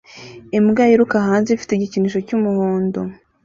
Imbwa yiruka hanze ifite igikinisho cy'umuhondo